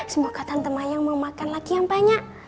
semoga tante mayang mau makan lagi yang banyak